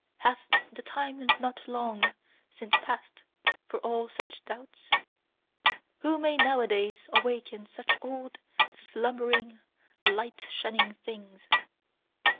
Hath the time not LONG since passed for all such doubts? Who may nowadays awaken such old slumbering, light shunning things!